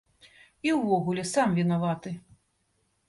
І ўвогуле, сам вінаваты.